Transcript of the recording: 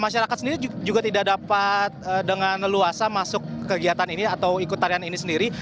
masyarakat sendiri juga tidak dapat dengan leluasa masuk kegiatan ini atau ikut tarian ini sendiri